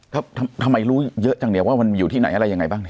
ทำไมรู้เยอะจังเดียวว่ามันอยู่ที่ไหนอะไรยังไงบ้าง